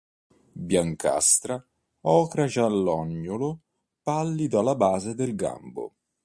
Biancastra, ocra-giallognolo pallido alla base del gambo.